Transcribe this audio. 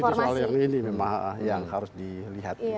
itu soal yang ini memang yang harus dilihat